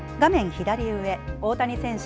左上、大谷選手